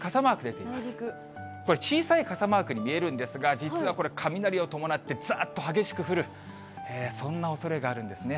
これ、小さい傘マークに見えるんですが、実はこれ、雷を伴って、ざーっと激しく降る、そんなおそれがあるんですね。